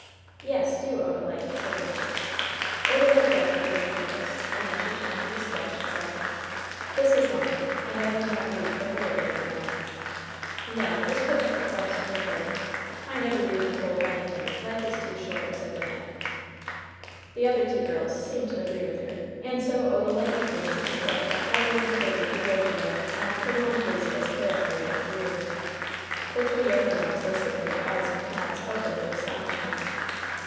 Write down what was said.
"Yes, do, Odalite/' said Wynnette. Odalite read the brief notice, and then she turned to the sketch and said: "This is longer, and I need not read the whole of it, you know/' "No, Just pick out the plums from the pudding. I never read the whole of anything. Life is too short," said Wynnette. The other two girls seemed to agree with her, and so Odalite began and read the highly inflated eulogium on Col. Anglesea's character and career. The three younger ones listened with eyes and mouths open with astonishment.